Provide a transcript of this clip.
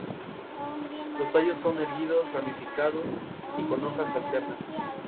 Al haberlo aceptado el Virrey Liniers, la posición de la Audiencia desafiaba su autoridad.